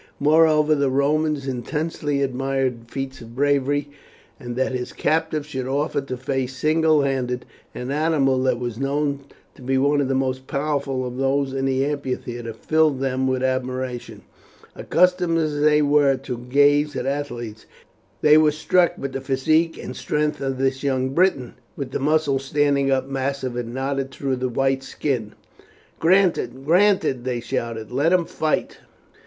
Moreover the Romans intensely admired feats of bravery, and that this captive should offer to face single handed an animal that was known to be one of the most powerful of those in the amphitheatre filled them with admiration. Accustomed as they were to gaze at athletes, they were struck with the physique and strength of this young Briton, with the muscles standing up massive and knotted through the white skin. "Granted, granted!" they shouted; "let him fight."